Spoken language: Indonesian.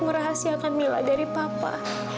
merahasiakan mila dari papa